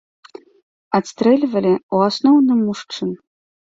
Адстрэльвалі ў асноўным мужчын.